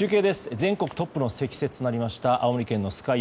全国トップの積雪になりました青森県の酸ヶ湯。